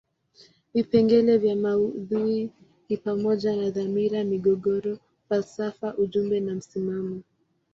Vipengele vya maudhui ni pamoja na dhamira, migogoro, falsafa ujumbe na msimamo.